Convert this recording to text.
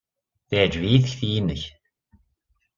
Teɛjeb-iyi tekti-nnek.